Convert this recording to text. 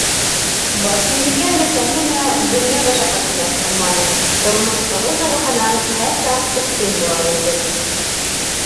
Барсынбикә өләсәһе лә донъя мәшәҡәтенә сумманы, тормош ығы- зығыһынан һәр саҡ оҫтөн була белде.